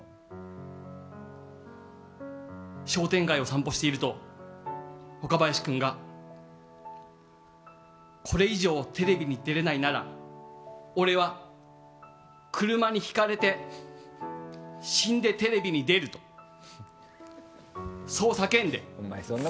商店街を散歩していると若林君がこれ以上テレビに出れないなら俺は車にひかれて死んでテレビに出るとそう叫んで。